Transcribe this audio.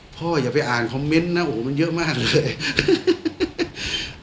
อย่าไปอ่านคอมเมนต์นะโอ้โหมันเยอะมากเลย